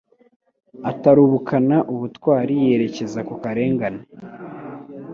atarubukana ubutwari yerekeza ku karengane,